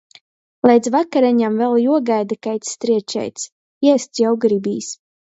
Leidz vakareņom vēļ juogaida kaids strēčeits. ēst jau gribīs.